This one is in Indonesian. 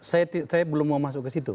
saya belum mau masuk ke situ